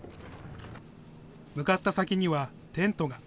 向かった先にはテントが。